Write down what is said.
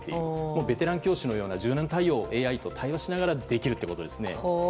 ベテラン教師のような授業をＡＩと対話しながらできるということですね。